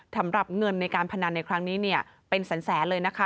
สำหรับเงินการพนันครั้งนี้เป็นสรรเสริมเลยนะคะ